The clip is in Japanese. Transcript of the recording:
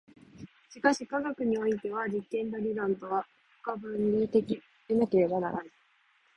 しかし科学においては実験と理論とは不可分離的でなければならない。